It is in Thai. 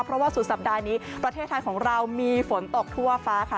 เพราะว่าสุดสัปดาห์นี้ประเทศไทยของเรามีฝนตกทั่วฟ้าค่ะ